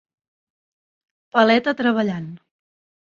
paleta treballant.